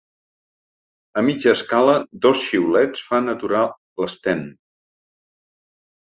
A mitja escala dos xiulets fan aturar l'Sten.